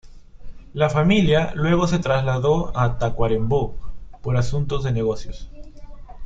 La familia luego se trasladó a Tacuarembó por asuntos de negocios.